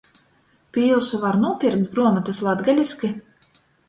Pi jiusu var nūpierkt gruomotys latgaliski?